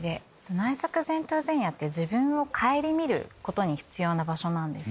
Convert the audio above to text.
内側前頭前野って自分を顧みることに必要な場所なんです。